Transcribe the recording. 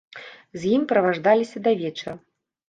З ім праваждаліся да вечара.